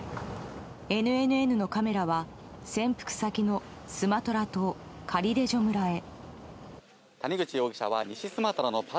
ＮＮＮのカメラは潜伏先のスマトラ島カリレジョ村へ。